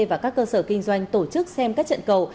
và các cơ sở kinh doanh tổ chức xem các trận cầu